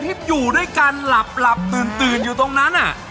ที่อยู่ด้วยกันหลับตื่นอยู่ตรงนั้น